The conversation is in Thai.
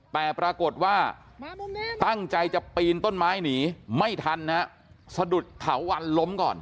แต่ปรากฏว่าตั้งใจจะปีนต้นไม้หนีไม่ทันนะฮะสะดุดเถาวันล้มก่อน